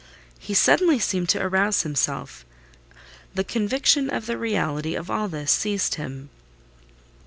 He suddenly seemed to arouse himself: the conviction of the reality of all this seized him.